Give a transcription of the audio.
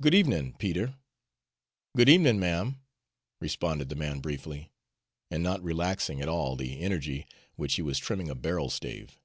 "Good evenin', Peter." "Good evenin', ma'm," responded the man briefly, and not relaxing at all the energy with which he was trimming a barrel stave.